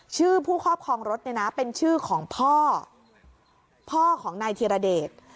ผู้ครอบครองรถเนี่ยนะเป็นชื่อของพ่อพ่อของนายธีรเดช